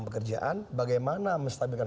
pekerjaan bagaimana menstabilkan